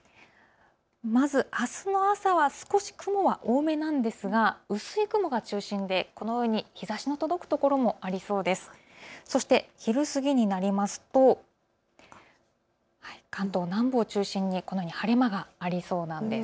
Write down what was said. まず、あすの朝は少し雲が多めなんですが薄い雲が中心でこのように日ざしの届く所もありそうです。